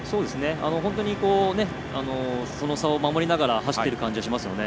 本当にその差を守りながら走っている感じがしますよね。